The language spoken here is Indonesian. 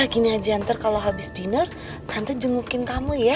gini aja nanti kalau habis diner tante jengukin kamu ya